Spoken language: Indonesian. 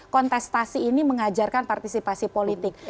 kontestasi ini mengajarkan partisipasi politik